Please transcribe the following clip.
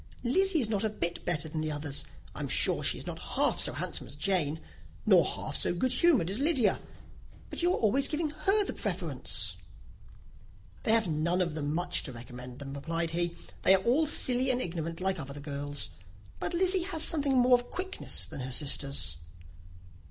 Lizzy is not a bit better than the others: and I am sure she is not half so handsome as Jane, nor half so good humoured as Lydia. But you are always giving her the preference." "They have none of them much to recommend them," replied he: "they are all silly and ignorant like other girls; but Lizzy has something more of quickness than her sisters."